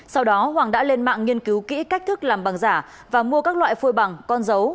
sau đó hoàng đã lên mạng nghiên cứu kỹ cách thức làm bằng giả và mua các loại phôi bằng con dấu